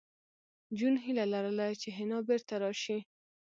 جون هیله لرله چې حنا بېرته راشي